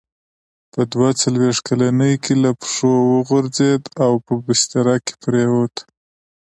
په دوه څلوېښت کلنۍ کې له پښو وغورځېد او په بستره کې پرېووت.